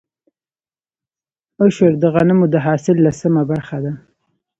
عشر د غنمو د حاصل لسمه برخه ده.